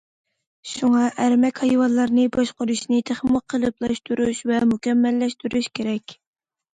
شۇڭا، ئەرمەك ھايۋانلارنى باشقۇرۇشنى تېخىمۇ قېلىپلاشتۇرۇش ۋە مۇكەممەللەشتۈرۈش كېرەك.